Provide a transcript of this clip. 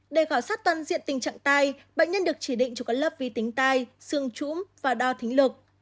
để khảo sát toàn diện tình trạng tai bệnh nhân được chỉ định cho các lớp vi tính tai xương trũng và đo thính lược